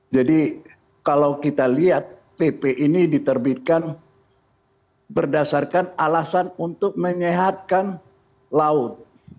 jadi kalau kita lihat pp ini diterbitkan berdasarkan alasan untuk menyehatkan laut